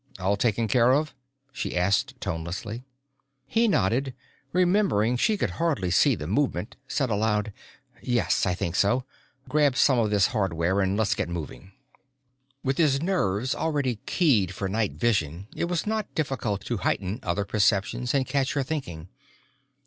"All taken care of?" she asked tonelessly. He nodded, remembered she could hardly see the movement, said aloud, "Yes, I think so. Grab some of this hardware and let's get moving." With his nerves already keyed for night vision it was not difficult to heighten other perceptions and catch her thinking